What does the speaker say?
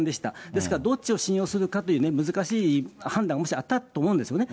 ですから、どっちを信用するかという難しい判断もあったと思うんですよね。